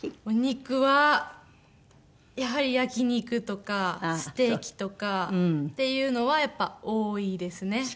お肉はやはり焼き肉とかステーキとかっていうのは多いですね。